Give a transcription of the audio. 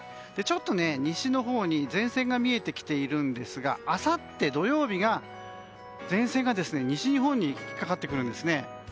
ちょっと西のほうに前線が見えてきているんですがあさって土曜日が前線が西日本にかかってくるんですね。